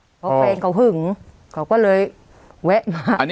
เพราะแฟนเขาหึงเขาก็เลยแวะมา